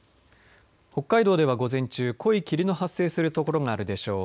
北海道では午前中濃い霧の発生するところがあるでしょう。